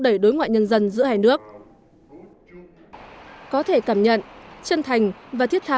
đẩy đối ngoại nhân dân giữa hai nước có thể cảm nhận chân thành và thiết tha